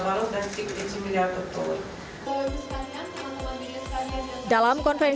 dalam konvensi perusahaan